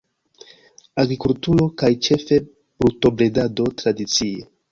Agrikulturo kaj ĉefe brutobredado tradicie.